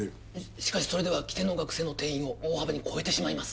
しかしそれでは規定の学生の定員を大幅に超えてしまいます